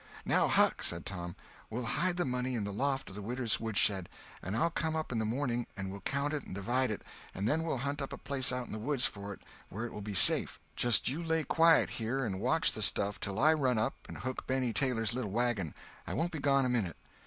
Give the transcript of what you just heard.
"Now, Huck," said Tom, "we'll hide the money in the loft of the widow's woodshed, and I'll come up in the morning and we'll count it and divide, and then we'll hunt up a place out in the woods for it where it will be safe. Just you lay quiet here and watch the stuff till I run and hook Benny Taylor's little wagon; I won't be gone a minute."